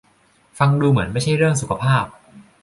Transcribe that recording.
ฟังดูเหมือนไม่ใช่เรื่องสุขภาพ